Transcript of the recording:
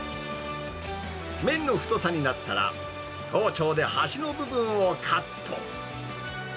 麺の太さになったら、包丁で端の部分をカット。